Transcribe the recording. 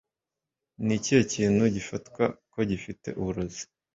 ni ikihe kintu gifatwa ko gifite uburozi?